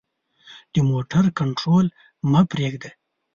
د موټر کنټرول مه پریږده.